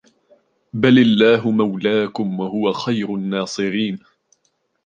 بَلِ اللَّهُ مَوْلَاكُمْ وَهُوَ خَيْرُ النَّاصِرِينَ